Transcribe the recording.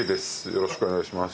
よろしくお願いします。